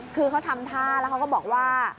คือเขาทำท่าแล้วเขาก็บอกว่า